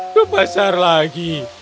oh ke pasar lagi